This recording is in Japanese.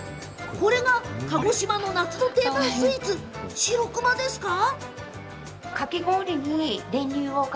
これが鹿児島の夏の定番スイーツしろくまですか？